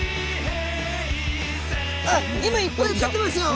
あっ今いっぱい映ってますよ！